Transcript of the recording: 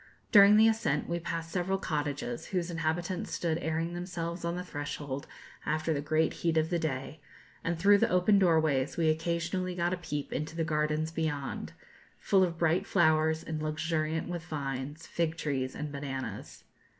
During the ascent we passed several cottages, whose inhabitants stood airing themselves on the threshold after the great heat of the day, and through the open doorways we occasionally got a peep into the gardens beyond, full of bright flowers and luxuriant with vines, fig trees, and bananas.